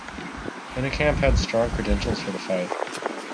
Pennekamp had strong credentials for the fight.